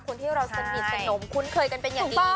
คนที่เราสนิทสนมคุ้นเคยกันเป็นอย่างดี